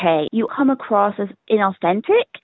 anda menemukan sesuatu yang tidak otentik